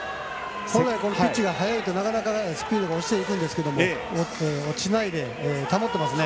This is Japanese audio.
ピッチが速いとスピードが落ちていくんですが落ちないで保ってますね。